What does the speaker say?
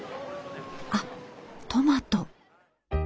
あっトマト。